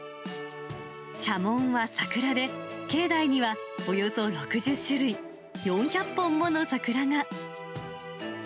社紋は桜で、境内にはおよそ６０種類、４００本もの桜が。